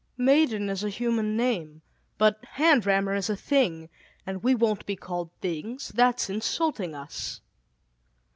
"Maiden is a human name, but hand rammer is a thing, and we won't be called things that's insulting us."